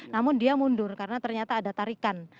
namun dia mundur karena ternyata ada tarikan